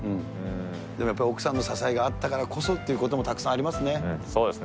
でもやっぱり奥さんの支えがあったからこそっていうのもたくさんありますね。